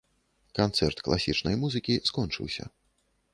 Канцэрт класічнай музыкі скончыўся.